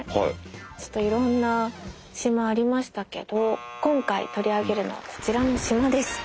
ちょっといろんな島ありましたけど今回取り上げるのはこちらの島です。